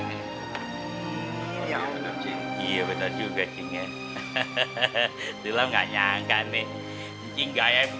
iya bener juga cingnya hahaha dulu nggak nyangka nih cinggah ya